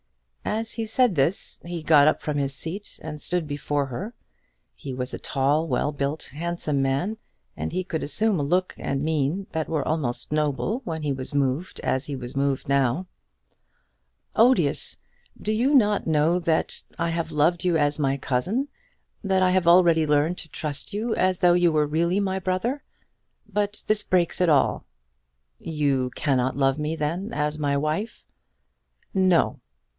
As he said this he got up from his seat and stood before her. He was a tall, well built, handsome man, and he could assume a look and mien that were almost noble when he was moved as he was moved now. "Odious! Do you not know that I have loved you as my cousin that I have already learned to trust you as though you were really my brother? But this breaks it all." "You cannot love me then as my wife?" "No."